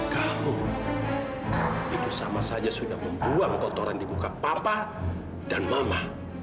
kau itu sama saja sudah membuang kotoran di muka papa dan mama